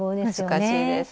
難しいです。